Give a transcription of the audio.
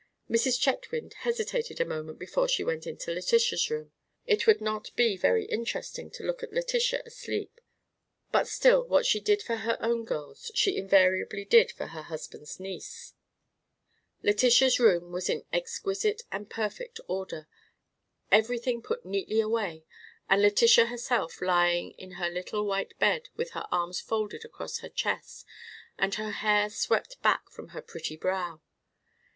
Mrs. Chetwynd hesitated a moment before she went into Letitia's room. It would not be very interesting to look at Letitia asleep; but still, what she did for her own girls she invariably did for her husband's niece. Letitia's room was in exquisite and perfect order, everything put neatly away, and Letitia herself lying in her little white bed with her arms folded across her chest and her hair swept back from her pretty brow. Mrs.